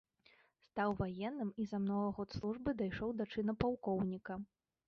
Стаў ваенным і за многа год службы дайшоў да чына палкоўніка.